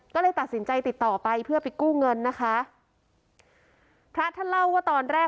ก็เลยตัดสินใจติดต่อไปเพื่อไปกู้เงินนะคะพระท่านเล่าว่าตอนแรก